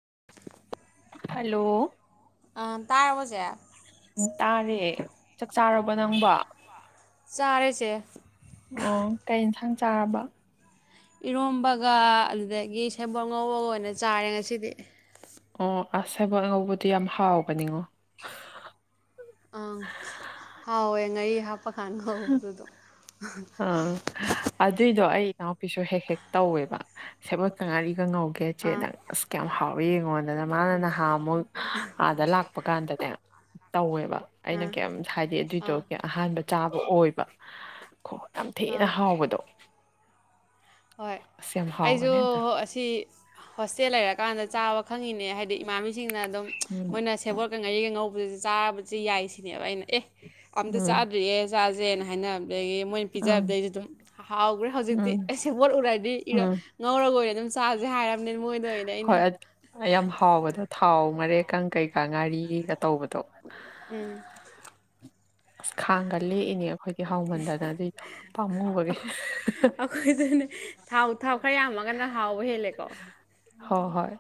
[inaudible] Hello. ꯇꯥꯔꯕꫭ ꯖꯦ꯫ ꯇꯥꯔꯦ ꯆꯥꯛ ꯆꯥꯔꯕ ꯅꯪꯕꫭ꯫ ꯆꯥꯔꯦ ꯆꯦ ꯑꯣ ꯀꯩ ꯌꯦꯟꯁꯥꯡ ꯆꯥꯔꯕ꯫ ꯏꯔꯣꯝꯕꯒ ꯑꯗꯨꯗꯒꯤ ꯁꯦꯕꯣꯠ ꯉꯧꯕꯒ ꯑꯣꯏꯅ ꯆꯥꯔꯦ ꯉꯁꯤꯗꯤ꯫ ꯑꯣ ꯑꯁ ꯍꯥꯏꯕꯣꯠ ꯑꯉꯧꯕꯗꯨ ꯌꯥꯝ ꯍꯥꯎꯕꯅꯤꯉꯣ꯫ ꯑ ꯍꯥꯎ ꯌꯦ ꯉꯔꯤ ꯍꯥꯄ ꯈꯥꯟꯗꯣ꯫ ꯑ ꯑꯗꯨꯏꯗꯣ ꯑꯩ ꯏꯅꯥꯎꯨꯄꯤꯁꯨ ꯍꯦꯛ-ꯍꯦꯛ ꯇꯧꯋꯦꯕ ꯁꯦꯕꫭꯠꯀ ꯉꯥꯔꯤ ꯀ ꯉꯧꯒꯦ ꯑꯥ ꯆꯦꯅ ꯑꯁ ꯀꯌꯥꯝ ꯍꯥꯎꯋꯤ ꯌꯦꯡꯉꯣꯟꯗꯅ ꯃꯥꯅ ꯅꯍꯥ ꯑꯃꯨꯛ ꯑꯥꯗ ꯂꯥꯛ ꯄ ꯀꯥꯟꯗꯅꯦ ꯇꯧꯋꯦꯕ ꯑꯩꯅ ꯑꯥ ꯀꯩꯝ ꯍꯥꯏꯗꯤ ꯑꯗꯨꯏꯗꯣ ꯑꯥ ꯑꯍꯥꯟꯕ ꯆꯥꯕ ꯑꯣꯏꯕ ꯈꯣ ꯌꯥꯝ ꯊꯤꯅ ꯑꯥ ꯍꯥꯎꯕꯗꯣ ꯍꯣꯏ ꯑꯁ ꯌꯥꯝ ꯑꯩꯁꯨ ꯍꯥꯎꯕꯅꯦ ꯑꯗꯣ ꯑꯁꯤ ꯍꯣꯁꯇꯦꯜ ꯂꯩꯔꯀꯥꯟꯗ ꯆꯥꯕ ꯈꯪꯉꯤꯅꯦ ꯍꯥꯏ ꯗꯤ ꯏꯃꯥꯟꯕꯤꯁꯤꯡꯅ ꯑꯗꯨꯝ ꯎꯝ ꯃꯣꯏꯅ ꯁꯦꯕꯣꯠꯀ ꯉꯥꯔꯤꯒ ꯉꯧꯕꯁꯤ ꯆꯥꯕꯁꯤ ꯌꯥꯏ ꯁꯤꯅꯦꯕ ꯑꯩꯅ ꯑꯦ ꯑꯝꯇ ꯎꯝ ꯆꯥꯗ꯭ꯔꯤꯌꯦ ꯆꯥꯁꯦꯅ ꯍꯥꯏꯅꯕꯗꯒꯤ ꯃꯣꯏꯅ ꯎꯝ ꯄꯤꯖꯕꯗꯩꯁꯨ ꯑꯗꯨꯝ ꯍꯥꯎꯈ꯭ꯔꯦ ꯍꯧꯖꯤꯛꯇꯤ ꯎꯝ ꯑꯁꯦꯕꯣꯠ ꯎꯔꯗꯤ ꯏꯔ ꯎꯝ ꯉꯧꯔꯒꯣꯏ ꯑꯣꯏꯅ ꯑꯗꯨꯝ ꯆꯥꯁꯦ ꯍꯥꯏꯔ ꯍꯣꯏ ꯌꯥꯝ ꯍꯥꯎꯕꯗꫭ ꯊꯥꯎ ꯃꯔꯦꯛꯀꯪ ꯀꯩꯀꯥ ꯉꯥꯔꯤꯒ ꯇꯧꯕꯗꯣ꯫ ꯎꯝ ꯑꯁ ꯈꯥꯡꯒ ꯂꯦꯛꯏꯅꯦ ꯑꯈꯣꯏ꯫ ꯑꯑꯈꫭ ꯑꯈꯣꯏꯁꯨꯅꯦ ꯊꯥꯎ ꯊꯥꯎ ꯈꯔ ꯌꯥꯝꯑꯒ ꯍꯥꯎꯕ ꯍꯦꯂꯦꯀꯣ꯫ ꯍꯣꯏ ꯍꯣꯏ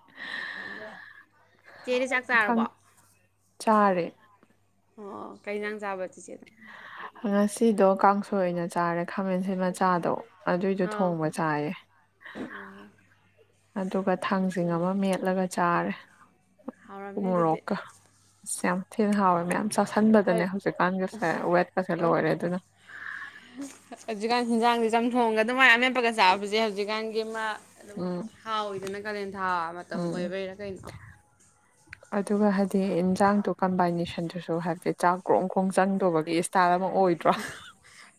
ꯆꯦꯗꯤ ꯆꯥꯛ ꯆꯥꯔꯕꯣ ꯇꯥꯔꯦ ꯑꯣ ꯀꯩꯩꯅꯥꯡ ꯆꯥꯕ ꯆꯤꯆꯦꯗ ꯉꯁꯤꯗꯣ ꯀꯥꯡꯁꯣꯏ ꯑꯣꯏꯅ ꯆꯥꯔꯦ ꯈꯥꯃꯦꯟꯁꯤ ꯃꯆꯥꯗꯣ ꯑꯗꯨꯏꯗꯣ ꯑꯥ ꯊꯣꯡꯕ ꯆꯥꯏꯌꯦ ꯑꯣ ꯑꯗꯨꯒ ꯊꯥꯡꯁꯤꯡ ꯑꯃ ꯃꯦꯠꯂꯒ ꯆꯥꯔꯦ ꯍꯥꯎꯔꯝꯅꯤ ꯑꯗꯨꯗꯤ ꯃꯣꯔꯣꯛꯀ ꯑꯁ ꯌꯥꯝ ꯊꯤꯅ ꯍꯥꯎꯋꯦ ꯃꯌꯥꯝ ꯆꯥꯁꯟꯕꯗꯅꯦ ꯍꯥꯏ ꯍꯧꯖꯤꯛꯀꯥꯟꯒꯤꯁꯦ ꯋꯦꯠꯀꯁꯦ ꯂꯣꯏꯔꯦ ꯑꯗꯨꯅ ꯍꯧꯖꯤꯀꯥꯟꯖꯥꯡꯒ ꯆꯝꯊꯣꯡꯒ ꯑꯗꯨꯃꯥꯏꯅ ꯃꯦꯞꯄꯒ ꯆꯥꯕꯁꯦ ꯍꯧꯖꯤꯛꯀꯥꯟꯒꯤ ꯑꯃ ꯑꯗꯨꯝ ꯎꯝ ꯍꯥꯎꯋꯤꯗꯅ ꯀꯥꯂꯦꯟ ꯊꯥ ꯃꯇꯝ ꯎꯝ ꯎꯝ ꯑꯣꯏꯕꯩꯔꯥ ꯀꯩꯅꯣ ꯑꯗꯨꯒ ꯍꯥꯏꯗꯤ ꯌꯦꯟꯁꯥꯡꯗꯨ ꯀꯝꯕꯥꯏꯅꯦꯁꯟꯗꯨꯁꯨ ꯍꯥꯏꯕꯗꯤ ꯆꯥꯛ ꯀ꯭ꯔꯣꯡ ꯀ꯭ꯔꯣꯡ ꯆꯪꯗꯧꯕꯒꯤ ꯏꯁꯇꯥꯥꯏꯜ ꯑꯃꯛ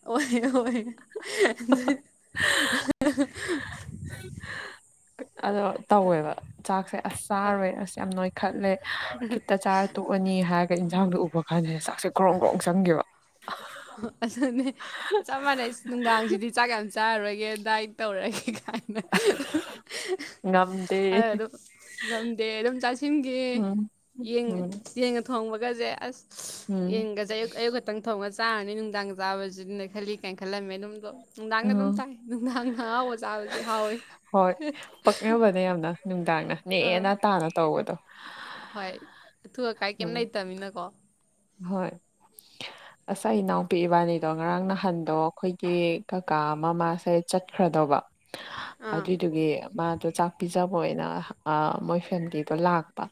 ꯑꯣꯏꯣꯏ ꯑꯣꯏꯣꯏ [inaudible] ꯑꯗꯣ ꯇꯧꯋꯦꯕ ꯆꯥꯛꯁꯦ ꯑꯁ ꯆꯥꯔꯣꯏ ꯑꯁ ꯌꯥꯝ ꯅꯣꯏꯈꯠꯂꯦ ꯈꯤꯠꯇ ꯆꯥꯔ ꯇꯣꯛꯑꯅꯤ ꯍꯥꯏꯔꯒ ꯏꯟꯁꯥꯡꯗꯣ ꯎꯕ ꯀꯥꯟꯗ ꯆꯥꯛꯁꯦ ꯀ꯭ꯔꯣꯡ ꯭ꯔꯣꯡ ꯆꯪꯦꯕ ꯑꯗꯨꯅꯦ ꯆꯞ ꯃꯥꯟꯅꯩ ꯅꯨꯡꯗꯥꯡꯁꯤꯗꯤ ꯆꯥꯛ ꯌꯥꯝ ꯆꯥꯔꯒꯦ ꯗꯥꯏꯠ ꯇꯧꯔꯒꯦ ꯍꯥꯏꯅ ꯉꯝꯗꯦ ꯉꯝꯗꯦ ꯑꯗꯨꯝ ꯎꯝ ꯎꯝ ꯆꯥꯁꯤꯟꯒꯡ ꯊꯣꯡꯕꯒꯁꯦ ꯑꯁ ꯎꯝ ꯌꯦꯡꯒꯁꯦ ꯑꯌꯨꯛ ꯑꯌꯨꯛ ꯈꯛꯇꯪ ꯊꯣꯡꯉꯁꯦ ꯆꯥꯕꯅꯤ ꯅꯨꯡꯗꯥꯡ ꯆꯥꯕꯁꯤ ꯑꯗꯨꯅ ꯈꯜꯂꯤ ꯀꯥꯏꯅ ꯈꯜꯂꯝꯃꯦ ꯑꯗꯨꯝꯗꯣ ꯅꯨꯡꯗꯥꯡꯒ ꯑꯗꯨꯝ ꯎꯝ ꯇꯥꯏ ꯅꯨꯡꯗꯥꯡꯅ ꯍꯥꯎꯕ ꯆꯥꯕꯁꯦ ꯍꯥꯎꯋꯦ ꯍꯣꯏ ꯄꯛꯅꯕꯗ ꯌꯥꯝꯅ ꯅꯨꯡꯗꯥꯡꯅ ꯑꯥ ꯅꯦꯅ ꯇꯥꯅ ꯇꯧꯕꯗꯣ ꯍꯣꯏ ꯑꯊꯨ ꯑꯀꯥꯏ ꯀꯩꯝ ꯎꯝ ꯂꯩꯇꯃꯤꯅꯀꯣ ꯍꯣꯏ ꯉꯁ ꯏꯅꯥꯎꯄꯤ ꯏꯕꯥꯅꯤꯗꯣ ꯉꯔꯥꯡ ꯅꯍꯥꯟꯗꯣ ꯑꯩꯈꯣꯏꯒꯤ ꯀꯥ ꯑꯃ ꯃꯥꯁꯦ ꯆꯠꯈ꯭ꯔꯗꯧꯕ ꯑꯥ ꯑꯗꯨꯏꯗꯨꯒꯤ ꯃꯥꯗꯣ ꯆꯥꯛ ꯄꯤꯖꯕ ꯑꯣꯏꯅ ꯃꯣꯏ ꯐꯦꯝꯂꯤꯗꯣ ꯂꯥꯛꯄ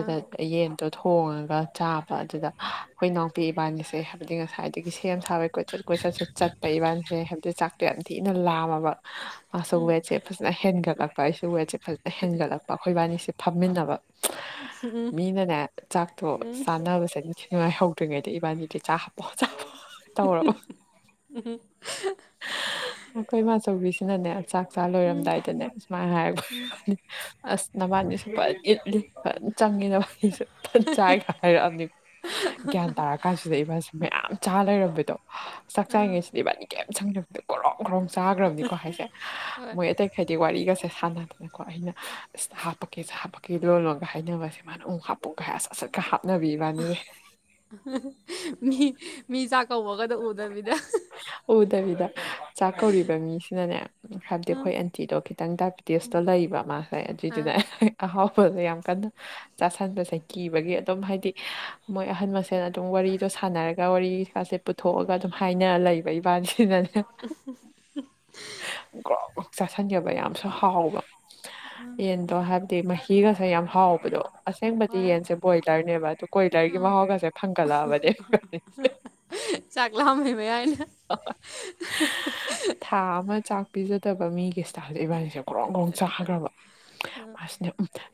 ꯑꯥ ꯌꯦꯟꯗꯣ ꯊꯣꯡꯉꯒ ꯆꯥꯕ ꯑꯗꯨꯗ ꯑꯩꯈꯣꯏ ꯏ ꯅꯥꯎꯄꯤ ꯏꯕꯥꯅꯤꯁꯦ ꯍꯥꯏꯕꯗꯤ ꯉꯁꯥꯏꯗꯒꯤ ꯁꯦꯝ ꯁꯥꯕꯩ ꯀꯣꯏꯆꯠ ꯀꯣꯏꯆꯠꯁꯨ ꯆꯠꯄ ꯏꯕꯥꯅꯤꯁꯦ ꯦ ꯍꯥꯏꯕꯗꯤ ꯆꯥꯛꯇꯣ ꯌꯥꯝ ꯊꯤꯅ ꯂꯥꯝꯃꯕ ꯃꯥꯁꯨ ꯋꯦꯠꯁꯦ ꯐꯖꯅ ꯍꯦꯟꯒꯠꯂꯛꯄ ꯑꯩꯁꯨ ꯋꯦꯠꯁꯦ ꯐꯖꯅ ꯍꯦꯟꯒꯠꯂꯛꯄ ꯑꯩꯈꯣꯏꯕꯥꯅꯤꯁꯦ ꯐꯝꯃꯤꯟꯅꯕ ꯃꯤꯅꯅꯦ ꯆꯥꯛꯇꯣ ꯎꯝ ꯁꯥꯟꯅꯕꯁꯗꯤꯉꯥꯏꯍꯧꯗ꯭ꯔꯤꯉꯩꯗ ꯏꯕꯥꯅꯤꯗꯤ ꯆꯥꯛ ꯍꯥꯞꯄꯣ ꯆꯥꯄꯣ ꯇꯧꯔ ꯑꯩꯈꯣꯏ ꯏꯃꯆꯧꯕꯤꯁꯤꯅꯅꯦ ꯆꯥꯛ ꯆꯥ ꯎꯝ ꯂꯣꯏꯔꯝꯗꯥꯏꯗꯅꯦ ꯁꯨꯃꯥꯏꯅ ꯍꯥꯏꯔꯒ ꯎꯝ ꯑꯁ ꯅꯕꯥꯅꯤ ꯁꯄ ꯏꯠꯂꯤ ꯆꯪꯉꯤꯅꯅꯕ ꯑꯩꯁꯦ ꯆꯥꯏꯒ ꯍꯥꯏꯔꯛꯑꯕꯅꯤꯀ ꯒ꯭ꯌꯥꯟ ꯇꯥꯔ ꯀꯥꯟꯁꯤꯗ ꯏꯕꯥꯁꯤꯦ ꯃꯌꯥꯝ ꯆꯥ ꯂꯩꯔꯝꯕꯗꯣ ꯆꯥꯛ ꯑꯥ ꯆꯥꯔꯤꯉꯩꯁꯤꯗꯤ ꯏꯕꯥꯅꯤ ꯀꯩꯝ ꯁꯪꯖꯕꯗꯣ ꯀꯣꯔꯣ ꯈꯨ꯭ꯔꯣꯡ ꯆꯥꯈ꯭ꯔꯕꯅꯤꯀꯣ ꯍꯥꯏꯁꯦ ꯍꯣꯏ ꯃꯣꯏ ꯑꯇꯩꯈꯗꯤ ꯋꯥꯔꯤꯒꯁꯦ ꯍꯥꯟꯅꯗꯅꯀꯣ ꯑꯩꯅ ꯑꯁꯤꯗ ꯍꯥꯞꯄꯛꯀꯦꯁ ꯍꯥꯞꯄꯛꯀꯦ ꯂꯣꯟ ꯂꯣꯒ ꯍꯥꯏꯅꯕꯁꯦ ꯃꯥꯅ ꯎꯨꯛ ꯍꯥꯞꯄꯨꯒ ꯍꯥꯏ ꯁꯠ ꯁꯠꯀ ꯍꯥꯞꯄ ꯃꯤ ꯀꯧꯒꯗ ꯎꯗꯕꯤꯗ ꯎꯗꯕꯤꯗ ꯆꯥꯛ ꯀꯧꯔꯤꯕ ꯃꯤꯁꯤꯅꯅꯦ ꯍꯥꯏꯕꯗꯤ ꯑꯥ ꯑꯩꯈꯣꯏ ꯑꯟꯇꯤꯗꯣ ꯈꯤꯇꯪ ꯗꯥꯏꯕꯤꯦꯇꯤꯁꯇꯣ ꯂꯩꯕ ꯃꯥꯁꯦ ꯖꯤ ꯑꯥ ꯆꯗ ꯑꯍꯣ ꯁꯨꯜꯗ ꯌꯥꯝ ꯀꯟꯅ ꯆꯥꯁꯟꯕꯁꯦ ꯀꯤꯕꯒꯤ ꯑꯗꯨꯝ ꯍꯥꯏꯗꯤ ꯃꯣꯏ ꯑꯍꯟ ꯃꯁꯦꯜ ꯑꯗꯨꯝ ꯋꯥꯔꯤꯗꯣ ꯁꯥꯟꯅꯔꯒ ꯋꯥꯔꯤꯥꯁꯦ ꯄꯨꯊꯣꯛꯑꯒ ꯑꯗꯨꯝ ꯍꯥꯏꯅꯔ ꯂꯩꯕ ꯏꯕꯥꯅꯤꯁꯤꯅꯅꯦ [inaudible] ꯆꯥꯁꯟꯖꯕ ꯌꯥꯝꯁꯨ ꯍꯥꯎꯕ ꯑꯥ ꯌꯦꯟꯗꯣ ꯍꯥꯏꯕꯗꯤ ꯃꯍꯩ ꯐꯤꯒꯁꯦ ꯌꯥꯝ ꯍꯥꯎꯕꯗꯣ ꯑꯁꯦꯡꯕꯗꯤ ꯍꯣꯏ ꯌꯦꯟꯁꯦ ꯕꯣꯏꯂꯔꯅꯦꯕ ꯑꯗꯨ ꯀꯣꯏꯂꯔꯒꯤ ꯑꯥ ꯃꯍꯥꯎꯒꯁꯦ ꯐꯪꯒꯠꯂꯛꯑꯕꯅꯦ ꯆꯥꯛꯂꯝ ꯃꯃꯦ ꯊꯥ ꯑꯃ ꯆꯥꯛ ꯄꯤꯖꯗꯕ ꯃꯤꯒꯤꯁ ꯆꯁꯦ ꯏꯕꯥꯅꯤꯁꯦ ꯀ꯭ꯔꯣꯡ ꯭ꯔꯣꯡ ꯆꯥꯈꯈ꯭ꯔꯕ ꯑ ꯃꯥꯁꯤꯅ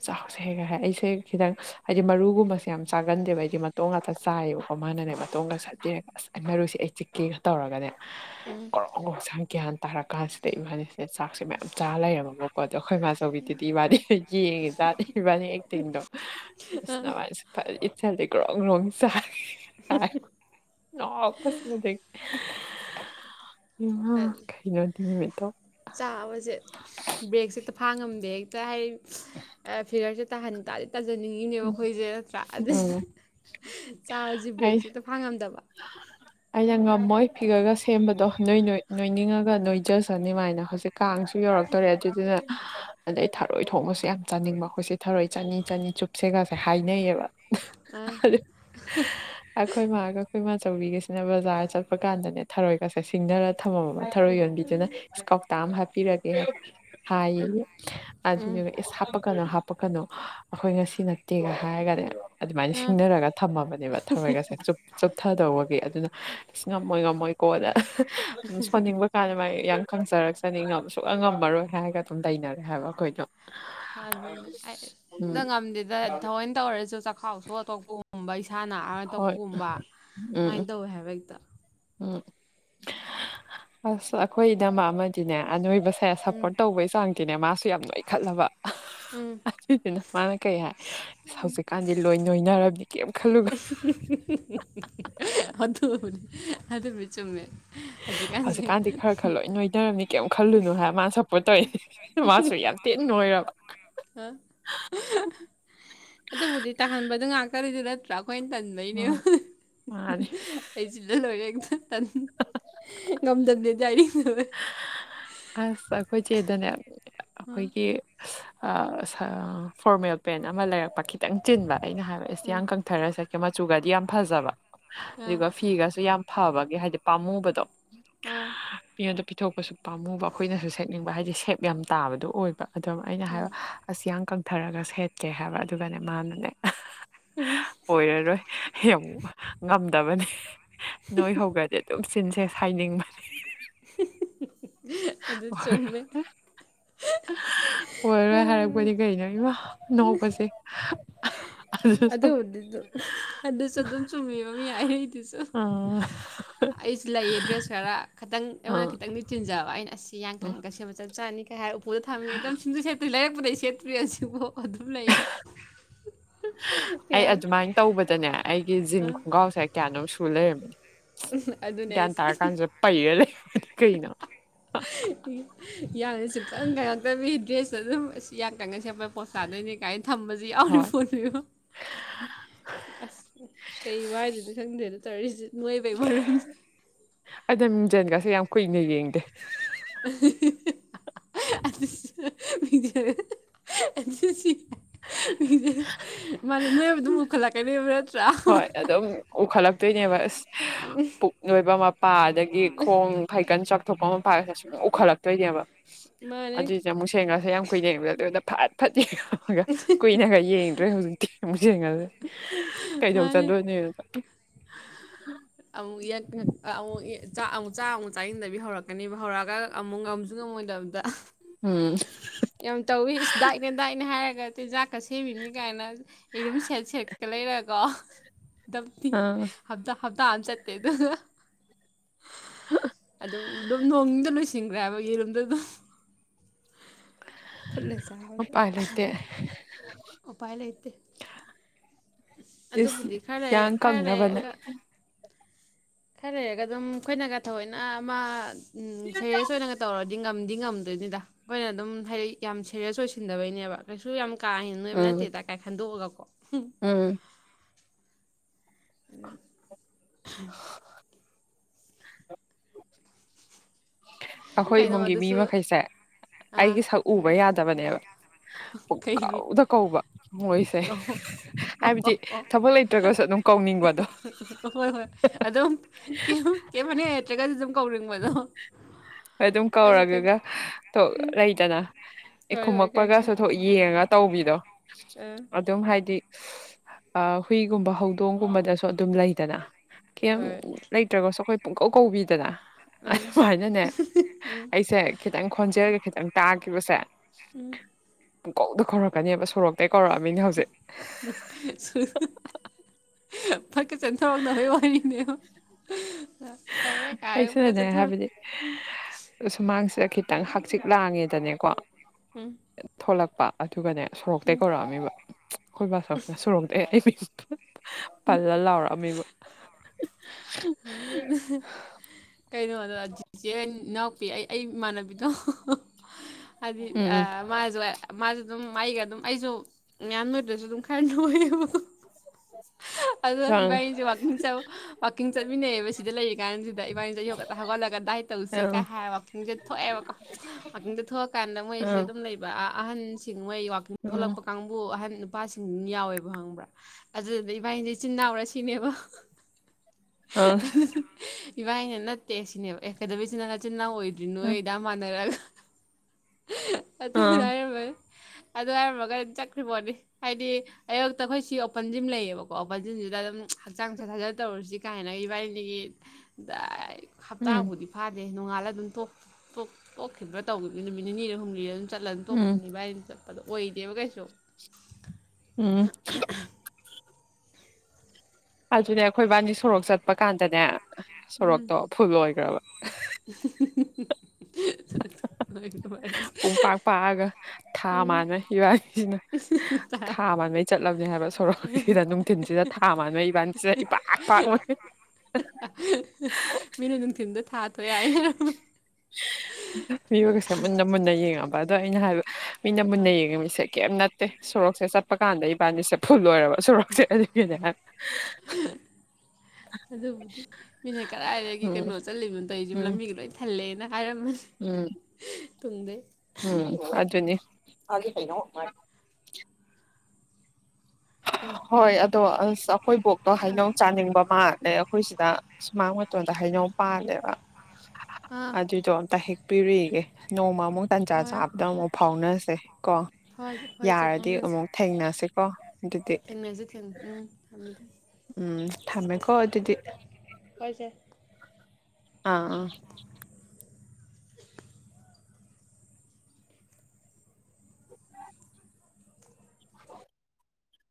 ꯆꯥꯎꯁꯦ ꯍꯦꯒ ꯍꯥꯏ ꯑꯩꯁꯦ ꯈꯤꯇꯪ ꯍꯥꯏꯗꯤ ꯃꯔꯨꯒꯨꯝꯕꯁꯦ ꯌꯥꯝ ꯆꯥꯒꯟꯗꯦꯕ ꯍꯥꯏꯗꯤ ꯃꯇꯣꯡ ꯉꯥꯛꯇ ꯆꯥꯏꯌꯦꯕꯀꯣ ꯃꯥꯅ ꯃꯇꯣꯡꯒ ꯁꯦꯠꯄꯤꯔꯒ ꯑꯁ ꯑꯩ ꯃꯔꯨꯁꯤ ꯑꯩ ꯆꯤꯛꯀꯦꯒ ꯇꯧꯔꯒꯅꯦ ꯎꯝ ꯒꯣꯔꯣ ꯒ꯭ꯌꯥꯟ ꯇꯥꯔ ꯀꯥꯟꯁꯤꯗ ꯏꯕꯥꯅꯤꯁꯤꯅ ꯆꯥꯛꯁꯦ ꯃꯌꯥꯝ ꯆꯥꯔ ꯂꯩꯔꯝꯃꯕꯀꯣ ꯑꯗꯣ ꯑꯩꯈꯣꯏ ꯃꯥꯆꯧꯕꯤꯗꯨꯗꯤ ꯏꯕꯥꯅꯤ ꯌꯦꯡꯉꯦꯖꯥꯠꯅꯤ ꯏꯕꯥꯅꯤ ꯑꯦꯛꯇꯤꯡꯗꯣ ꯑꯖ ꯅꯕꯥꯅꯤꯗꯤ ꯆꯗ ꯔꯣꯡ ꯔꯣꯡ ꯆꯥꯏ ꯆꯥꯏ ꯑꯣ ꯁꯗ [unintelligible] ꯏꯃꯥ ꯑ ꯀꯩꯅꯣꯑꯗꯨ ꯅꯨꯃꯤꯠꯇꯣ ꯐꯥꯉꯝꯗꯦ ꯍꯦꯛꯇ ꯍꯥꯏꯗꯤ ꯐꯤꯒꯔꯁꯦ ꯇꯥꯍꯟ ꯇꯥꯔꯦ ꯇꯥꯖꯅꯤꯡꯉꯤꯅꯦꯕ ꯎꯝ ꯑꯩꯈꯣꯏꯁꯦ ꯅꯠꯇ꯭ꯔꯥ ꯑꯗꯨꯗ ꯎꯝ ꯆꯥꯕꯁꯦ ꯕꯔꯛꯁꯤ ꯍꯦꯛꯇ ꯐꯥꯕꯉꯝꯗꯕ ꯑ [unintelligible] ꯉꯝꯃꯣꯏ ꯐꯤꯒꯔꯒ ꯁꯦꯝꯕꯗꯣ ꯅꯣꯏ ꯅꯣꯏꯅꯤꯡꯉꯒ ꯅꯣꯏꯖꯁꯅꯤꯃꯥꯏꯅ ꯍꯧꯖꯤꯛ ꯀꯥꯡꯁꯨ ꯌꯧꯔꯛꯇ ꯑꯗꯨꯣꯏ ꯆ [unintelligible] ꯍꯥꯏꯅꯩꯌꯦꯕ ꯑꯥ ꯑꯩꯈꯣꯏ ꯃꯥꯒ ꯑꯩꯈꯣꯏ ꯃꯥꯆꯧꯕꯤꯒꯁꯤꯅ ꯕꯖꯥꯔ ꯆꯠꯄ ꯀꯥꯟꯗꯅꯦ ꯊꯔꯣꯏꯒꯁꯦ ꯁꯤꯡꯅꯔ ꯊꯅꯥꯝꯃꯥꯕ ꯊꯔꯣꯏ ꯌꯣꯟꯕꯤꯗꯨꯅ ꯏꯁ ꯀꯥꯎꯇꯥ ꯑꯃ ꯍꯥꯞꯄꯤꯔꯒꯦ ꯍꯥꯏ ꯍꯥꯏꯌꯦꯅꯦ ꯑꯗꯨꯗꯨꯒ ꯏꯁ ꯍꯥꯞꯄꯛ ꯀꯅꯣ ꯍꯥ ꯍꯥꯄꯛꯀꯥꯅꯣ ꯑꯩꯈꯣꯏ ꯉꯁꯤ ꯅꯠꯇꯦꯒ ꯍꯥꯏꯔꯒꯅꯦ ꯑꯗꯨꯃꯥꯏꯅ ꯑꯥ ꯁꯤꯡꯅꯔꯒ ꯊꯝꯃꯕꯅꯦꯕ ꯊꯔꯣꯏꯒꯁꯦ ꯆꯨꯞ ꯇꯧꯕꯒꯤ ꯑꯗꯨꯅ ꯑ ꯉꯝꯃꯣꯏ ꯉꯝꯃꯣꯏꯀꯣꯅ ꯁꯣꯟꯅꯤꯡꯕ ꯀꯥꯟꯗ ꯃꯥꯏ ꯌꯥꯝ ꯈꯪꯖꯔꯛꯁꯅꯤ ꯁꯨꯛꯉꯝ ꯉꯝꯃꯔꯣꯏ ꯍꯥꯏꯔꯒ ꯑꯗꯨꯝ ꯂꯩꯅꯔꯦ ꯍꯥꯏꯕ ꯑꯩꯈꯣꯏꯗꯣ ꯑꯗꯨꯅꯦ ꯑ ꯎꯝ ꯅꯪ ꯉꯝꯗꯔ꯭ꯤꯗꯣ ꯊꯑꯣꯏ ꯇꯧꯔꯁꯨ ꯆꯈꯥꯎ ꯁꯣꯀꯥ ꯇꯣꯛꯒꯨꯝꯕ ꯏꯁꯥ ꯅꯥꯔꯒ ꯍꯣꯏ ꯇꯣꯛꯄꯒꯨꯝꯕ ꯎꯝ ꯑꯗꯨꯃꯥꯏꯅ ꯇꯧꯋꯦ ꯍꯥꯏꯕ ꯍꯦꯛꯇ ꯎꯝ ꯑꯁ ꯑꯩꯈꯣꯏ ꯏꯅꯃ ꯑꯃꯗꯤꯅꯦ ꯑꯅꯣꯏꯕ ꯁꯦ ꯎꯝ ꯁꯞꯄꯣꯔꯠ ꯇꯧꯕꯩ ꯆꯥꯡꯗꯤꯅꯦ ꯃꯥꯁꯨ ꯌꯥꯝ ꯅꯣꯏꯈꯠꯂꯕ ꯎꯝ ꯑꯗꯨꯗꯨꯅ ꯃꯥꯅ ꯀꯩ ꯍꯥꯏ ꯍꯧꯖꯤꯛꯀꯥꯟꯗꯤ ꯂꯣꯏ ꯅꯣꯏꯅꯔꯕꯅꯤ ꯀꯩꯝ ꯈꯜꯂꯨꯒ ꯑꯗꯨꯅꯤ ꯑꯗꯨꯕꯨꯗꯤ ꯆꯨꯝꯃꯦ ꯍꯧꯖꯤꯛꯀꯥꯟꯁꯦ ꯍꯧꯖꯤꯛꯀꯥꯟꯗꯤ ꯈꯔ ꯈꯔ ꯂꯣꯏ ꯅꯣꯏꯅꯔꯕꯅꯤ ꯀꯔꯤꯝ ꯈꯜꯂꯨꯅꯨ ꯍꯥꯏ ꯃꯥꯅ ꯁꯞꯄꯣꯔꯠ ꯇꯧꯔꯤꯅꯦ ꯃꯥꯁꯨ ꯌꯥꯝ ꯇꯤ ꯅꯣꯏꯔꯕ ꯑ ꯑꯗꯨꯕꯨꯗꯤ ꯇꯥꯍꯟꯕꯗ ꯉꯥꯛꯇꯅꯤꯗꯨꯗ ꯑꯩꯈꯣꯏꯅ ꯇꯟꯕꯩꯅꯦꯕ ꯍꯣꯏ ꯃꯥꯅꯤ ꯑꯩꯁꯤꯗ ꯂꯣꯏꯔꯦ ꯉꯝꯖꯗꯦꯗꯤꯏꯔꯤꯕ [unintelligible] ꯑꯁ ꯑꯩꯈꯣꯏ ꯆꯦꯗꯅꯦ ꯎꯝ ꯑꯩꯈꯣꯏꯒꯤ ꯐꯣꯔꯃꯦꯜ ꯄꯦꯟ ꯑꯃ ꯂꯩꯔꯛꯄ ꯈꯤꯇꯪ ꯆꯤꯟꯕ ꯑꯩꯅ ꯍꯥꯏꯕ ꯎꯝ ꯌꯥꯡꯀꯪꯊꯔ ꯁꯦꯠꯀꯦ ꯃꯆꯨꯒꯗꯤ ꯌꯥꯝ ꯐꯖꯕ ꯑꯥ ꯑꯗꯨꯒ ꯐꯤꯒꯁꯨ ꯌꯥꯝ ꯐꯕꯒꯤ ꯍꯥꯏꯕꯗꯤ ꯄꯥꯝꯃꯨꯕꯗꯣ ꯑꯥ ꯃꯤꯉꯣꯟꯗ ꯄꯤꯊꯣꯛꯄꯁꯨ ꯄꯥꯝꯃꯨꯕ ꯑꯩꯈꯣꯏꯅꯁꯨ ꯁꯦꯠꯅꯤꯡꯕ ꯍꯥꯏꯕꯗꯤ ꯁꯦꯞ ꯌꯥꯝ ꯇꯥꯕꯗꯣ ꯑꯣꯏꯕ ꯑꯗꯨꯝ ꯑꯩꯅ ꯎꯝ ꯍꯥꯏꯕ ꯑꯁ ꯌꯥꯡ ꯀꯪꯊꯔꯒ ꯁꯦꯇꯀꯦ ꯍꯥꯏꯕ ꯑꯗꯨꯒꯅꯦ ꯃꯥꯅꯅꯦ ꯑꯣꯏꯔꯔꯣꯏ ꯌꯥꯝ ꯉꯝꯗꯕꯅꯤ ꯅꯣꯏ ꯍꯧꯈ꯭ꯔꯗꯤ ꯑꯗꯨꯝ ꯆꯤꯟꯁꯦ ꯁꯥꯏꯅꯤꯡꯕꯅꯤ ꯑꯗꯨ ꯆꯨꯝꯃꯦ ꯑꯣꯏꯔꯔꯣꯏ ꯍꯥꯏꯔꯛꯄꯅꯤ ꯀꯩꯅꯣ ꯏꯃꯥ ꯅꯣꯛꯄꯁꯦ ꯑꯗꯨꯁꯨ ꯑꯗꯨꯕꯨꯗꯤ ꯑꯗꯨ ꯑꯗꯨꯁꯨ ꯑꯗꯨꯝ ꯆꯨꯝꯃꯤꯕ ꯃꯤ ꯍꯥꯏꯔꯛꯏꯗꯨꯁꯨ ꯑꯥ ꯑꯩꯁꯨ ꯂꯩꯌꯦ ꯗ꯭ꯔꯦꯁ ꯈꯔ ꯈꯤꯇꯪ ꯑꯩꯉꯣꯟꯗ ꯑꯥ ꯈꯤꯇꯪꯗꯤ ꯆꯤꯟꯖꯕ ꯑꯩꯅ ꯑꯁꯤ ꯌꯥꯡꯀꯪꯉꯒꯥ ꯁꯦꯠꯄꯥ ꯆꯞ ꯆꯥꯅꯤ ꯀꯥꯏ ꯍꯥꯏꯔ ꯊꯝꯃꯤ ꯑꯗꯨꯝ ꯁꯨꯪꯁꯦꯠ ꯁꯦꯠꯇ꯭ꯔꯤ ꯂꯩꯥꯔꯛꯄꯗꯩ ꯁꯦꯠꯇ꯭ꯔꯤ ꯍꯧꯖꯤꯛꯐꯧ ꯑꯗꯨꯝ ꯂꯩ ꯑꯩ ꯑꯗꯨꯃꯥꯏꯅ ꯇꯧꯕꯗꯅꯦ ꯑꯩꯒꯤ ꯖꯤꯟ ꯈꯣꯡꯒ꯭ꯔꯥꯎꯁꯦ ꯀꯌꯥꯅꯣꯝ ꯁꯨ ꯂꯩꯔꯝꯃꯤꯅꯤ ꯒꯌ꯭ꯥꯟ ꯇꯥꯔꯛꯀꯥꯅꯁꯤꯗ ꯄꯩꯔꯒ ꯂꯩ ꯌꯥꯝꯅꯁꯨꯀꯪ ꯀꯪꯉꯛꯇ ꯃꯤ ꯗ꯭ꯔꯦꯁ ꯑ ꯑꯗꯨꯝ ꯑꯁ ꯌꯥꯛꯀꯪꯉ ꯁꯦꯠꯄꯥ ꯄꯣꯖ ꯇꯥꯗꯣꯏꯅꯤ ꯀꯥꯏꯅ ꯊꯝꯕꯁꯨ ꯌꯥꯎꯔꯤ ꯍꯣꯏ ꯄꯣꯠꯅꯤꯗ ꯑꯁ ꯀꯩꯕꯨꯍꯥꯏꯗꯣꯏꯅꯣ ꯈꯪꯗꯔ꯭ꯦꯗꯥ ꯇꯧꯔꯤꯁꯦ ꯅꯣꯏꯕꯩ ꯃꯔꯝꯁꯦ ꯑꯗꯣ ꯃꯤꯡꯖꯟꯒꯁꯦ ꯌꯥꯝ ꯀꯨꯏꯅ ꯌꯦꯡꯗꯦ [unintelligible] ꯃꯤꯁꯦ ꯃꯥꯅꯦ ꯅꯣꯏꯕꯗꯝ ꯃꯨꯈꯠꯂꯛꯀ ꯅꯣꯏꯕ꯭ꯔꯥ ꯍꯣꯏ ꯑꯗꯨꯝ ꯎꯈꯠꯂꯛꯇꯣꯏꯅꯦꯕ ꯑꯁ ꯄꯨꯛ ꯂꯣꯏꯕ ꯃꯄꯥ ꯑꯗꯒꯤ ꯈꯣꯡ ꯐꯩꯀ ꯄꯨ ꯊꯣꯛꯣꯄ ꯑꯃ ꯄꯥꯏꯒꯁꯦ ꯁꯨꯝ ꯎꯈꯠꯂꯛꯇꯣꯏꯅꯦꯕ ꯃꯥꯅꯦ ꯑꯗꯨꯏꯁꯦ ꯑꯃꯨꯛ ꯁꯦꯡꯒꯁꯦ ꯌꯥꯝ ꯀꯨꯏꯔ ꯌꯦꯕꯁꯗ ꯑꯗꯨꯗ ꯐꯠ ꯌꯦꯡꯉꯒ ꯀꯨꯏꯅꯒ ꯌꯦꯡꯗ꯭ꯔꯦ ꯍꯧꯖꯤꯛꯇꯤ ꯑꯃꯨꯛ ꯌꯦꯡꯉꯂꯦ ꯀꯩꯗꯧ ꯃꯥꯅꯦ ꯆꯗꯣꯏꯅꯦ [unintelligible] ꯆꯥꯛ ꯑꯃꯨꯛ ꯆꯥ ꯑꯃꯨꯛ ꯆꯥꯁꯤꯟꯗꯕꯤ ꯍꯧꯔꯛꯀꯅꯦꯕ ꯍꯧꯔꯛꯑꯒ ꯑꯃꯨꯛ ꯉꯝꯁꯨ ꯉꯝꯃꯣꯏꯗꯕꯗ ꯎꯝ ꯌꯥꯝ ꯇꯧꯋꯤ ꯏꯁ ꯗꯥꯏꯠꯅꯦ ꯗꯥꯏꯠꯅꯦ ꯍꯥꯏꯔꯒ ꯇꯤꯟꯖꯥꯛꯀ ꯁꯦꯝꯃꯤꯅꯤ ꯀꯥꯏꯅ ꯑꯩ ꯑꯗꯨꯝ ꯁꯦꯠ ꯁꯦꯠꯀ ꯂꯩꯔꯒꯀꯣ ꯑꯗꯨꯝ ꯑꯥ ꯍꯞꯇꯥ ꯑꯃ ꯆꯠꯇꯦ ꯑꯗꯨ ꯑꯗꯨꯝ ꯑꯗꯨꯝ ꯅꯣꯡꯗ ꯂꯣꯏꯁꯤꯟꯈ꯭ꯔꯦꯕ ꯌꯦꯔꯨꯝꯗ ꯑꯗꯨꯝ ꯐꯨꯜꯂꯦ ꯆꯕꯗ ꯎꯄꯥꯏ ꯂꯩꯇꯦ ꯎ ꯄꯥꯏ ꯂꯩꯇꯦ ꯏꯁ ꯑꯗꯨꯕꯨꯗꯤ ꯈꯔ ꯌꯥꯡ ꯈꯔ ꯀꯪꯅꯕꯅꯦ ꯈꯔ ꯂꯩꯔꯒ ꯑꯗꯨꯝ ꯑꯩꯈꯣꯏꯅꯒ ꯊꯑꯣꯏꯅ ꯑꯃ ꯎꯝ ꯁꯦꯔꯤꯌꯁ ꯑꯣꯏꯅꯒ ꯇꯧꯔꯗꯤ ꯉꯝꯗꯤ ꯉꯝꯗꯣꯏꯅꯤꯗ ꯑꯩꯈꯣꯏꯅ ꯑꯗꯨꯝ ꯍꯥꯏꯗꯤ ꯌꯥꯝ ꯁꯦꯔꯤꯌꯁ ꯑꯣꯏꯁꯤꯟꯗꯕꯩꯅꯦꯕ ꯀꯩꯁꯨ ꯌꯥꯝ ꯀꯥ ꯍꯦꯟꯅ ꯅꯣꯏꯕ ꯎꯝ ꯅꯠꯇꯦꯗ ꯀꯥꯏ ꯈꯟꯗꯣꯛꯑꯒ ꯀꯣ ꯎꯝ ꯑꯗꯨ [inaudible] ꯑꯩꯈꯣꯏ ꯀꯩꯅꯣ ꯏꯃꯨꯡꯒꯤ ꯃꯤ ꯑꯗꯨꯁꯨ ꯃꯈꯩꯁꯦ ꯑꯥ ꯑꯩꯒꯤ ꯁꯛ ꯎꯕ ꯌꯥꯗꯕꯅꯦꯕ ꯀꯩꯒꯤ ꯄꯨꯀꯥꯎꯗ ꯀꯧꯕ ꯃꯣꯏꯁꯦ ꯑꯣ ꯍꯥꯏꯕꯗꯤ ꯊꯕꯛ ꯂꯩꯇ꯭ꯔꯒꯁꯨ ꯑꯗꯨꯝ ꯀꯧꯅꯤꯡꯕꯗꯣ ꯍꯣꯏ ꯍꯣꯏ ꯑꯗꯨ ꯑꯗꯨꯝ ꯀ ꯀꯦ ꯃꯅꯤ ꯑꯦꯇ꯭ꯔꯒ ꯑꯗꯨꯝ ꯀꯧꯔꯤꯕꯗꯣ ꯑꯗꯨꯝ ꯀꯧꯔꯒꯒ ꯂꯩꯇꯅ ꯍꯣꯏ ꯍꯣꯏ ꯈꯪꯉꯦ ꯈꯨꯝꯃꯛꯄꯒꯁꯨ ꯊꯣꯛ ꯌꯦꯡꯉ ꯇꯧꯕꯤꯗꯣ ꯑꯥ ꯑꯗꯨꯝ ꯍꯥꯏꯗꯤ ꯑ ꯍꯨꯏꯒꯨꯝꯕ ꯍꯧꯗꯣꯡꯒꯨꯝꯕꯗꯁꯨ ꯑꯗꯨꯝ ꯂꯩꯗꯅ ꯀꯩ ꯍꯣꯏ ꯂꯩꯇ꯭ꯔꯒꯁꯨ ꯑꯩꯈꯣꯏ ꯄꯨꯡꯀꯧ ꯀꯧꯕꯤꯗꯅ ꯑꯥ ꯑꯗꯨꯃꯥꯏꯅꯅꯦ ꯎꯝ ꯑꯩꯁꯦ ꯈꯤꯇꯪ ꯈꯣꯟꯖꯦꯜꯒ ꯈꯤꯇꯪ ꯇꯥꯈꯤꯕꯁꯦ ꯎꯝ ꯄꯨꯡꯀꯧꯗ ꯀꯧꯔꯛꯀꯅꯦꯕ ꯁꯣꯔꯣꯛꯇꯩ ꯀꯧꯔꯛꯑꯃꯤꯅ ꯍꯧꯖꯤꯛ ꯐꯛꯀ ꯆꯟꯊꯧꯔꯛꯅꯕꯩ ꯋꯥꯅꯤꯅꯦ ꯑꯩꯁꯨꯅꯅꯦ ꯍꯥꯏꯕꯗꯤ ꯁꯨꯃꯥꯡꯁꯤ ꯈꯤꯇꯪ ꯍꯛꯆꯤꯛ ꯂꯥꯡꯉꯦꯗꯅꯦꯀꯣ ꯎꯝ ꯊꯣꯛꯂꯛꯄ ꯑꯗꯨꯒꯅꯦ ꯁꯣꯔꯣꯛꯇꯩ ꯀꯧꯔꯛꯑꯝꯃꯤꯕ ꯑꯩꯈꯣꯏꯕꯥꯁꯣꯔꯁꯤꯅ ꯁꯣꯔꯣꯛꯇꯩ ꯑꯩ ꯄꯜꯂ ꯂꯥꯎꯔꯛꯑꯃꯤꯕ ꯍ ꯀꯩꯅꯣꯗ ꯖꯤꯆꯦ ꯏꯅꯥꯎꯄꯤ ꯑꯩ ꯑꯩ ꯏꯃꯥꯟꯅꯕꯤꯗꯣ ꯑꯅꯤ ꯎꯝ ꯎꯝ ꯑ ꯃꯥ ꯃꯥ ꯑꯗꯨꯝ ꯑꯩꯒ ꯑꯗꯨꯝ ꯑꯩꯁꯨ ꯉꯟ ꯑꯣꯏꯣꯏꯗꯁꯨ ꯑꯗꯨꯝ ꯈꯔ ꯑꯣꯏꯌꯦꯕ ꯑꯗ ꯑꯪ ꯏꯚꯍꯤꯁꯤ ꯋꯥꯜꯀꯤꯡ ꯆꯠꯄꯥ ꯆꯠꯃꯤꯟꯅꯩꯑꯕ ꯁꯤꯗ ꯂꯩꯔꯤ ꯀꯥꯟ ꯁꯤꯗ ꯏꯕꯥꯅꯤꯁꯩ ꯌꯒ ꯍꯧꯒꯠꯂꯒ ꯗꯥꯏ ꯇꯧꯁꯤ ꯑꯪ ꯀꯥꯏ ꯍꯥꯏꯕ ꯋꯥꯈꯪꯁꯦ ꯊꯣꯛꯑꯦꯕꯀꯣ ꯋꯥꯛꯀꯤꯡꯗ ꯊꯣꯛꯑꯀꯥꯟꯗ ꯃꯣꯏꯁꯤꯗ ꯎꯝ ꯑꯗꯨꯝ ꯂꯩꯕ ꯑꯍꯟꯁꯤꯡ ꯃꯣꯏ ꯋꯥꯋꯥꯛꯀꯤꯡ ꯊꯣꯛꯂꯛꯄ ꯀꯥꯡꯕꯨ ꯑꯍꯟ ꯏꯄꯥꯁꯤꯡꯗꯨꯝ ꯌꯥꯎꯋꯦꯕ ꯍꯪꯕ꯭ꯔꯥ ꯑꯗꯨꯗꯨꯅ ꯏꯄꯥ ꯏꯁꯦ ꯆꯤꯟꯅꯥꯎꯔꯥ ꯁꯤꯅꯦꯕ ꯑꯥ ꯏꯕꯥ ꯏꯅ ꯅꯠꯇꯦ ꯁꯤꯅꯦꯕ ꯑꯦꯀꯥꯗꯃꯤꯁꯤ ꯅꯥꯆꯤꯟꯅꯅꯥ ꯑꯣꯏꯗ꯭ꯔꯤ ꯅꯣꯏ ꯎꯝ ꯏꯗꯥ ꯃꯥꯟꯅꯔꯛꯑꯒ ꯑꯗꯨ ꯑꯪ ꯉꯔꯝꯃꯣꯏ ꯑꯗꯨ ꯍꯥꯏꯔꯝꯨꯔꯒ ꯑꯗꯨꯝ ꯆꯠꯈ꯭ꯔꯤꯕꯣꯠꯅꯤ ꯍꯥꯏꯗꯤ ꯑꯌꯨꯛꯇ ꯑꯩꯈꯣꯏ ꯁꯤ ꯑꯣꯄꯟ ꯖꯤꯝ ꯂꯩꯌꯦꯕꯀꯣ ꯑꯣꯄꯟ ꯖꯤꯝꯁꯤꯗ ꯑꯗꯨꯝ ꯍꯛꯆꯥꯡ ꯁꯠꯊꯖꯠ ꯇꯧꯔꯁꯤ ꯀꯥꯏꯅ ꯏꯕꯥꯏꯅꯤꯒꯤ ꯎꯝ ꯍꯞꯇꯥꯕꯨꯗꯤ ꯐꯥꯗꯦ ꯑꯦ ꯅꯣꯡꯉꯥꯂ ꯑꯗꯨꯝ ꯇꯣꯛꯈꯤꯕ꯭ꯔꯥ ꯇꯧꯈꯤꯕ ꯅꯨꯃꯤꯠ ꯅꯤ ꯍꯨꯝꯅꯤ ꯑꯗꯨꯝ ꯆꯠꯂꯅ ꯎꯝ ꯇꯣꯛꯈꯤꯅꯤꯕ ꯍꯥꯏꯗꯤ ꯆꯠꯄꯗꯣ ꯑꯣꯏꯗꯦꯕ ꯀꯩꯁꯨ ꯎꯝ ꯑꯗꯨꯅꯦ ꯑꯩꯈꯣꯏꯕꯥꯅꯤ ꯁꯣꯔꯣꯛ ꯆꯠꯄ ꯀꯥꯟꯗꯅꯦ ꯎꯝ ꯁꯣꯔꯣꯛꯇꯣ ꯐꯨꯕ ꯑꯣꯏꯈ꯭ꯔꯕ [unintelligible] [unintelligible] ꯄꯨꯡ ꯄꯥꯛ ꯄꯥꯛꯑꯒ ꯊꯥ ꯎꯝ ꯃꯥꯟꯕꯩ ꯍꯤꯔꯥꯛꯒꯤꯁꯤꯅ ꯊꯥ ꯃꯥꯟꯕꯉꯩ ꯆꯠꯂꯕꯅꯤ ꯍꯥꯏꯕ ꯁꯣꯔꯣꯛꯁꯤꯗ ꯅꯨꯡꯊꯤꯟꯁꯤꯗ ꯊꯥ ꯃꯥꯥꯟꯅꯕ ꯏꯕꯥꯟꯁꯤꯗ ꯏꯄꯥꯛ ꯄꯥꯛ ꯃ ꯃꯤꯅꯅ ꯊ ꯄꯒꯁꯦꯅ ꯃꯖꯉ ꯑꯗꯣ ꯑꯩꯅ ꯍꯥꯏꯕ ꯃꯤꯅ ꯃꯨꯟꯅ ꯌꯦꯡꯉꯤ ꯃꯤꯁꯦ ꯀꯩꯝ ꯅꯠꯇꯦ ꯁꯣꯔꯣꯛꯁꯦ ꯆꯠꯄ ꯀꯥꯟꯗ ꯏꯕꯥꯅꯤꯁꯦ ꯐꯨꯜ ꯂꯣꯏꯔꯕ ꯁꯨꯔꯛꯁꯦꯗꯒꯤ ꯑꯗꯨꯕꯨꯗꯤ ꯃꯤꯅ ꯀꯗꯥꯥꯏꯗꯒꯤ ꯎꯝ ꯀꯩꯅꯣ ꯆꯠꯂꯤꯕꯅꯣ ꯇꯧꯔꯤꯁꯤ ꯎꯝ ꯂꯝꯕꯤꯒ ꯂꯣꯏ ꯊꯜꯂꯦꯅ ꯍꯥꯏꯔꯝꯃꯅꯤ ꯎꯝ ꯇꯨꯡꯗꯩ ꯎꯝ ꯑꯗꯨꯅꯦ ꯑꯦ ꯍꯣꯏ ꯑꯗꯣ ꯑꯁ ꯑꯩꯈꯣꯏ ꯕꯣꯛꯇꯣ ꯑꯥ ꯍꯩꯅꯧ ꯆꯥꯅꯤꯡꯕ ꯃꯥꯜꯦ ꯑꯗꯩ ꯑꯩꯈꯣꯏꯁꯤꯗ ꯁꯨꯃꯥꯡ ꯃꯇꯣꯟꯗ ꯍꯩꯅꯣꯡ ꯄꯥꯜꯂꯦꯕ ꯑꯥ ꯑꯗꯨꯏꯗꯣ ꯑꯝꯇ ꯍꯦꯛ ꯄꯤꯔꯛꯏꯒꯦ ꯅꯣꯡꯃ ꯑꯃꯨꯛ ꯇꯟꯖꯥ ꯍꯣꯏ ꯆꯥꯕꯗ ꯑꯃꯨꯛ ꯐꯥꯎꯅꯁꯦ ꯀꯣ ꯍꯣꯏ ꯍꯣꯏ ꯆꯦ ꯌꯥꯔꯗꯤ ꯐꯥꯎꯅꯁꯤ ꯑꯃꯨꯛ ꯊꯦꯡꯅꯁꯤ ꯀꯣ ꯑꯗꯨꯗꯤ ꯊꯦꯡꯅꯁꯤ ꯊꯦꯡ ꯎꯝ ꯊꯝꯃꯦ ꯊꯝꯃꯦ ꯎꯝ ꯊꯝꯃꯦꯀꯣ ꯑꯗꯨꯗꯤ ꯍꯣꯏꯁꯦ ꯑꯥ